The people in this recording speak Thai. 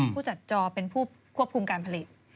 ผู้จัดจอเป็นผู้ควบคุมการผลิต